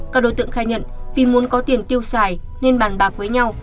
các đối tượng khai nhận vì muốn có tiền tiêu xài nên bàn bạc với nhau